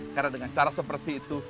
karena dengan cara seperti itu